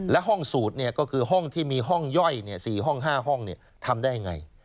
และห้องสูตรก็คือห้องที่มีห้องย่อย๔ห้อง๕ห้องทำได้ยังไง